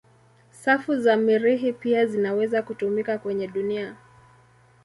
Safu za Mirihi pia zinaweza kutumika kwenye dunia.